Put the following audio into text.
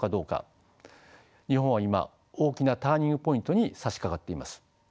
日本は今大きなターニングポイントにさしかかっています。